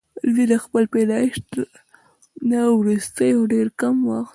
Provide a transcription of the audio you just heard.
دوي د خپل پيدائش نه وروستو ډېر کم وخت